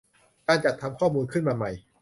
การจัดทำข้อมูลขึ้นมาใหม่